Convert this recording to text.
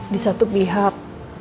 di satu pihak